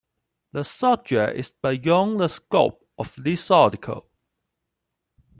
The subject is beyond the scope of this article.